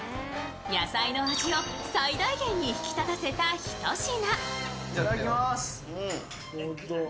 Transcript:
野菜の味を最大限に引き立たせたひと品。